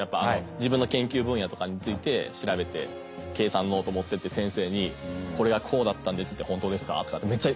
自分の研究分野とかについて調べて計算ノート持ってて先生に「これはこうだったんです」って「本当ですか？」とかってめっちゃ。